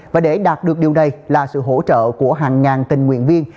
và để đạt được điều này là sự hỗ trợ của hàng ngàn tình nguyện viên